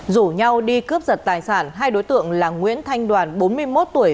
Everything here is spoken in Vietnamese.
rủ nhau đi cướp giật tài sản hai đối tượng là nguyễn thanh đoàn bốn mươi một tuổi